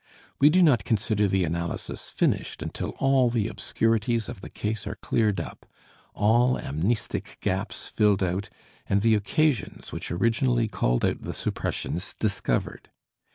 We do not consider the analysis finished until all the obscurities of the case are cleared up, all amnestic gaps filled out and the occasions which originally called out the suppressions discovered.